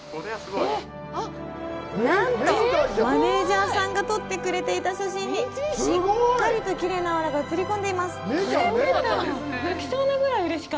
なんと、マネージャーさんが撮ってくれていた写真にしっかりときれいなオーラが写り込んでいます！